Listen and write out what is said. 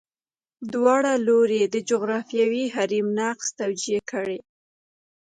دواړه لوري یې د جغرافیوي حریم نقض توجیه کړي.